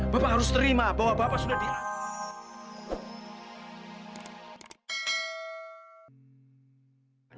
bapak harus terima bahwa bapak sudah dilarang